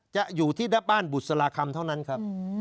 จะอยู่ที่หน้าบ้านบุษราคำเท่านั้นครับ